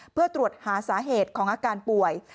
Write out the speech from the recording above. เพื่อตรวจหาสาเหตุของอาการป่วย